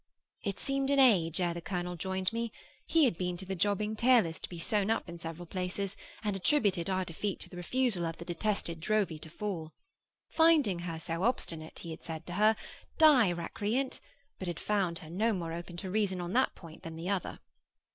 It seemed an age ere the colonel joined me. He had been to the jobbing tailor's to be sewn up in several places, and attributed our defeat to the refusal of the detested Drowvey to fall. Finding her so obstinate, he had said to her, 'Die, recreant!' but had found her no more open to reason on that point than the other.